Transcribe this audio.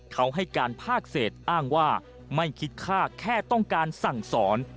เขาให้การภาคเศษอ้างว่าไม่คิดค่าแค่ต้องการสั่งสอน